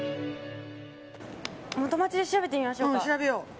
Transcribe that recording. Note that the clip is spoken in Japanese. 元町で調べてみましょうか。